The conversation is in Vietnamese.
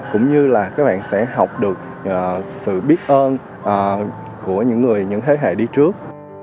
cũng như là các bạn sẽ học được sự biết ơn của những người những thế hệ đi trước